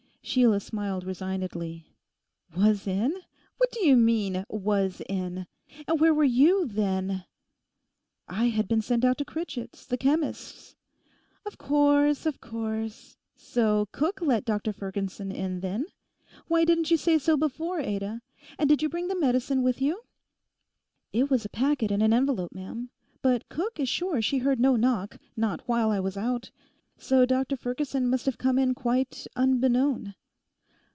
Sheila smiled resignedly. 'Was in? What do you mean, "was in"? And where were you, then?' 'I had been sent out to Critchett's, the chemist's.' 'Of course, of course. So cook let Dr Ferguson in, then? Why didn't you say so before, Ada? And did you bring the medicine with you?' 'It was a packet in an envelope, ma'am. But Cook is sure she heard no knock—not while I was out. So Dr Ferguson must have come in quite unbeknown.